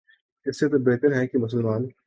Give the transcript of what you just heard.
اس سے تو بہتر ہے کہ مسلمان